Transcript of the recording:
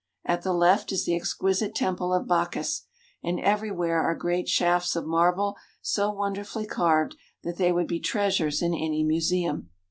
At the left is the exquisite Temple of Bacchus, and everywhere are great shafts of marble so wonderfully carved that they would be treasures in any museum.